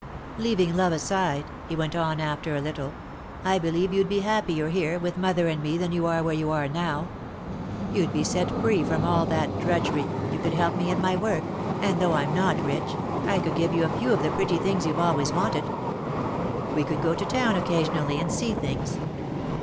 "Leaving love aside," he went on, after a little, "I believe you'd be happier here, with mother and me, than you are where you are now. You'd be set free from all that drudgery, you could help me in my work, and, though I'm not rich, I could give you a few of the pretty things you've always wanted. We could go to town occasionally and see things.